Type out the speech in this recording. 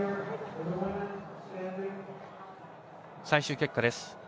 最終結果です。